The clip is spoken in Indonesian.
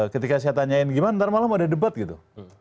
ketika saya tanyain gimana ntar malam ada debat gitu